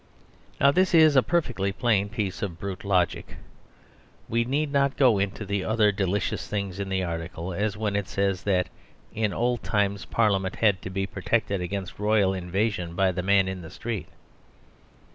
Now this is a perfectly plain piece of brute logic. We need not go into the other delicious things in the article, as when it says that "in old times Parliament had to be protected against Royal invasion by the man in the street."